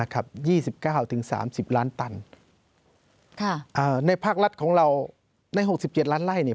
ครับนะครับ๒๙๓๐ล้านตันในภาครัฐของเราใน๖๗ล้านไล่นี่